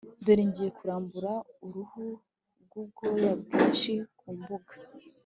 dore ngiye kurambura uruhu rw'ubwoya bwinshi ku mbuga